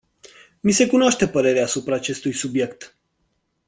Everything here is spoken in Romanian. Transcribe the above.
Mi se cunoaște părerea asupra acestui subiect.